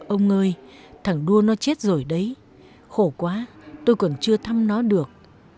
ông ơi thằng đua nó chết rồi đấy khổ quá tôi còn chưa thăm nó được